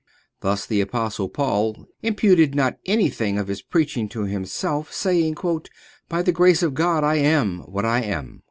Thus the Apostle Paul imputed not anything of his preaching to himself, saying: "By the grace of God I am what I am."